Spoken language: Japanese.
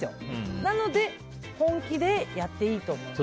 なので、本気でやっていいと思います。